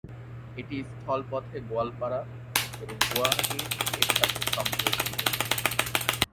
এটি স্থলপথে গোয়ালপাড়া এবং গুয়াহাটি-এর সাথে সংযোজিত।